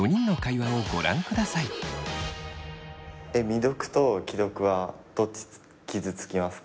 未読と既読はどっち傷つきますか？